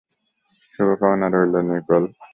শুভকামনা রইলো, নিকোল।